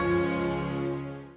wah benar kucingnya bae